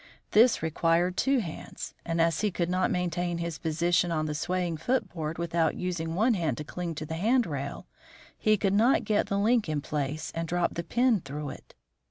This required two hands, and as he could not maintain his position on the swaying foot board without using one hand to cling to the handrail, he could not get the link in place and drop the pin through it.